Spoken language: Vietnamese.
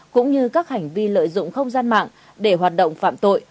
cũng như các hành vi lợi dụng không gian mạng để hoạt động phạm tội